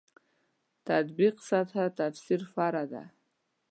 تطبیق سطح تفسیر فرع ده.